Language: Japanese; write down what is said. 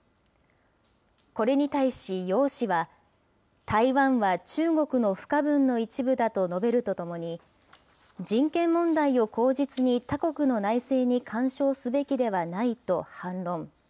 これに対し楊氏は、台湾は中国の不可分の一部だと述べるとともに、人権問題を口実に他国の内政に干渉すべきではないと反論。